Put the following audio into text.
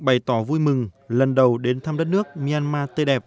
bày tỏ vui mừng lần đầu đến thăm đất nước myanmar tươi đẹp